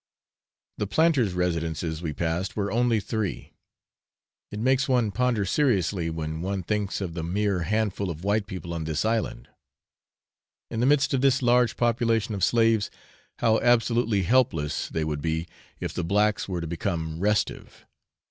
The planters' residences we passed were only three. It makes one ponder seriously when one thinks of the mere handful of white people on this island. In the midst of this large population of slaves, how absolutely helpless they would be if the blacks were to become restive!